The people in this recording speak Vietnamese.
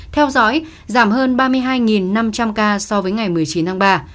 theo dõi giảm hơn ba mươi hai năm trăm linh ca so với ngày một mươi chín tháng ba